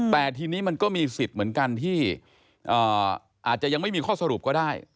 แต่ทีนี้มันก็มีสิทธิ์เหมือนกันที่อาจจะยังไม่มีข้อสรุปก็ได้